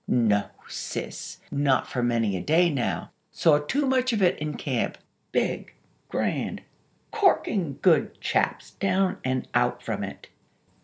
"No, sis! Not for many a day now. Saw too much of it in camp. Big, grand, corking good chaps down and out from it.